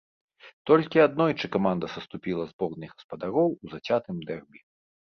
Толькі аднойчы каманда саступіла зборнай гаспадароў у зацятым дэрбі.